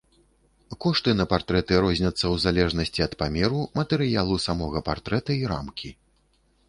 Кошты на партрэты розняцца ў залежнасці ад памеру, матэрыялу самога партрэта і рамкі.